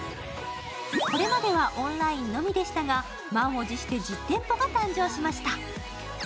これまではオンラインのみでしたが、満を持して実店舗が誕生しました。